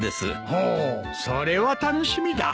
ほうそれは楽しみだ。